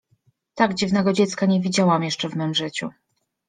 — Tak dziwnego dziecka nie widziałam jeszcze w mym życiu.